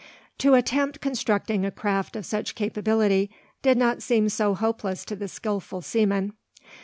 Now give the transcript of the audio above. To attempt constructing a craft of such capability did not seem so hopeless to the skilful seaman.